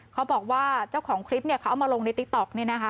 เขาบอกว่าเจ้าของคลิปเขาเอามาลงในติ๊กต๊อกเนี่ยนะคะ